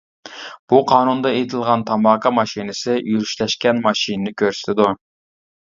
بۇ قانۇندا ئېيتىلغان تاماكا ماشىنىسى يۈرۈشلەشكەن ماشىنىنى كۆرسىتىدۇ.